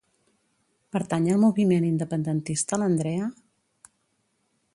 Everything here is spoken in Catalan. Pertany al moviment independentista l'Andrea?